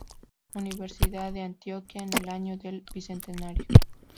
Universidad de Antioquia, en el año del bicentenario.